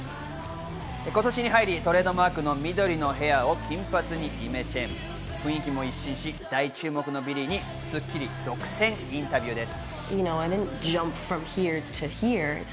今年に入りトレードマークの緑のヘアを金髪にイメチェン、雰囲気も一新し、大注目のビリーに『スッキリ』独占インタビューです。